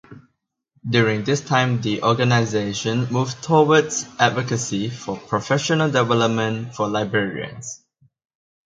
During this time the organization moved towards advocacy for professional development for librarians.